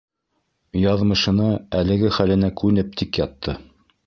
Яҙмышына, әлеге хәленә күнеп тик ятты.